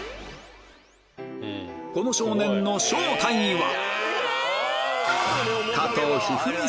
この少年の正体は？